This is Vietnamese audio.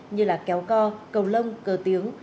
như là kéo co cầu lông cơ tiếng